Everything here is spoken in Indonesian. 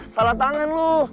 salah tangan lo